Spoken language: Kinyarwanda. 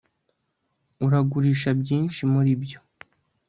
uragurisha byinshi muribyo